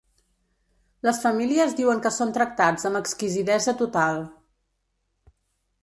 Les famílies diuen que són tractats amb exquisidesa total.